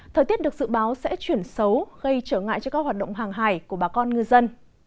thời tiết được dự báo sẽ chuyển xấu gây trở ngại cho các hoạt động hàng hải của bà con ngư dân